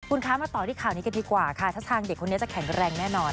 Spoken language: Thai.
คุณคะมาต่อที่ข่าวนี้กันดีกว่าค่ะถ้าทางเด็กคนนี้จะแข็งแรงแน่นอน